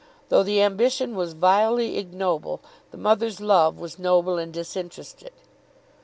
Though the ambition was vilely ignoble, the mother's love was noble and disinterested.